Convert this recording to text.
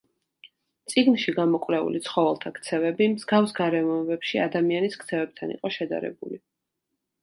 წიგნში გამოკვლეული ცხოველთა ქცევები მსგავს გარემოებებში ადამიანის ქცევებთან იყო შედარებული.